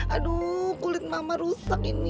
aduh kulit mama rusak ini